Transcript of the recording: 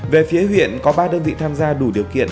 về phía huyện có ba đơn vị tham gia đủ điều kiện